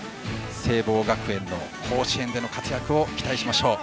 聖望学園の甲子園での活躍を期待しましょう。